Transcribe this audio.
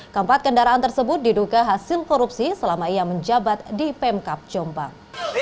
keempat kendaraan tersebut diduga hasil korupsi selama ia menjabat di pemkap jombang